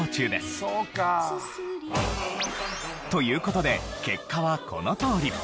という事で結果はこのとおり。